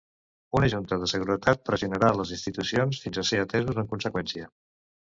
Una Junta de Seguretat pressionarà les institucions fins a ser atesos en conseqüència.